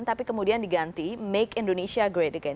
tapi kemudian diganti make indonesia great again